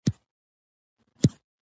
قانون د ټولنې ساتونکی دی